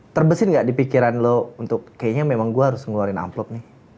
terbesin gak di pikiran lo untuk kayaknya memang gue harus ngeluarin amplop nih